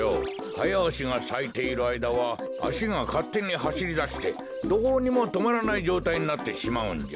ハヤアシがさいているあいだはあしがかってにはしりだしてどうにもとまらないじょうたいになってしまうんじゃ。